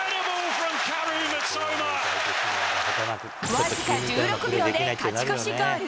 僅か１６秒で勝ち越しゴール。